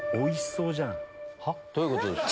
どういうことですか？